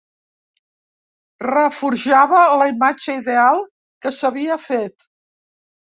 Reforjava la imatge ideal que s'havia fet.